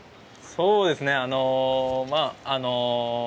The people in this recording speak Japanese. そうですね、あの。